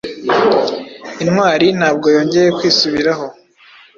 Intwari ntabwo yongeye kwisubiraho